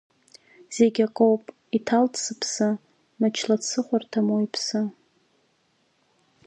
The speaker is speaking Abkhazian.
Зегь акоуп, иҭалт сыԥсы, мычла дсыхәарҭам уаҩԥсы.